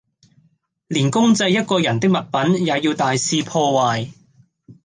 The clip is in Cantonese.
連公祭一個人的物品也要大肆破壞